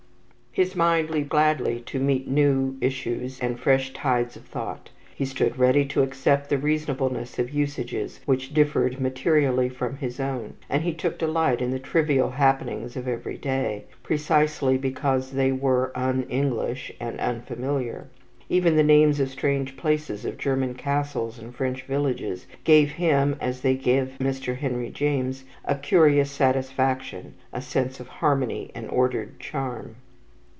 His mind leaped gladly to meet new issues and fresh tides of thought; he stood ready to accept the reasonableness of usages which differed materially from his own; and he took delight in the trivial happenings of every day, precisely because they were un English and unfamiliar. Even the names of strange places, of German castles and French villages, gave him, as they give Mr. Henry James, a curious satisfaction, a sense of harmony and ordered charm.